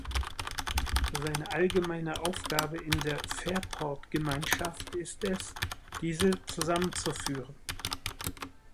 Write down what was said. Seine allgemeine Aufgabe in der Fairport-Gemeinschaft ist es, diese zusammenzuführen.